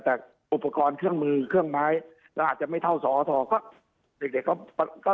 แต่อุปกรรมเครื่องมือเครื่องไม้และไม่เท่าสอธรณ์ก็ประสานกันแล้วครับ